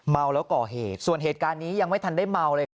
เมาแล้วก่อเหตุส่วนเหตุการณ์นี้ยังไม่ทันได้เมาเลยครับ